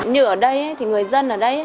như ở đây người dân ở đây